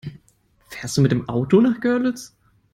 Fährst du mit dem Auto nach Görlitz?